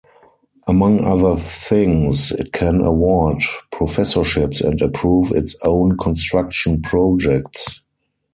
Among other things, it can award professorships and approve its own construction projects.